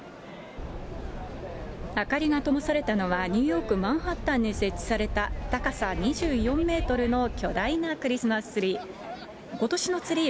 明かりがともされたのは、ニューヨーク・マンハッタンに設置された高さ２４メートルの巨大なクリスマスツリー。